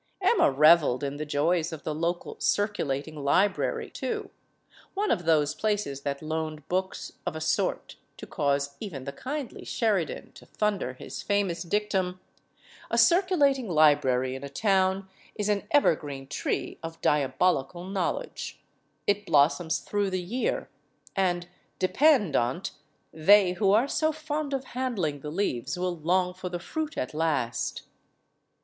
Emma reveled in the joys of the local "circulating library," too; one of those places that loaned books of a sort to cause even the kindly Sheridan to thunder his famous dictum : *'A circulating library in a town is an evergreen tree of diabolical knowledge. It blossoms through the year. And, depend on't, they who are so fond of handling the leaves will long for the fruit at last."